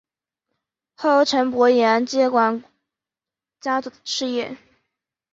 后由陈柏廷接管家族事业。